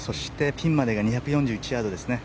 ピンまで２４１ヤードですね。